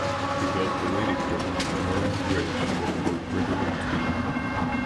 He built the Ladykirk and Norham Bridge over the River Tweed.